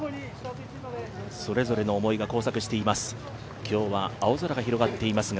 それぞれの思いが交錯しています。